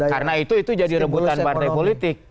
karena itu jadi rebutan partai politik